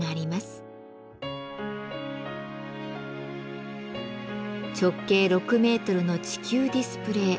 直径６メートルの地球ディスプレー「ジオ・コスモス」。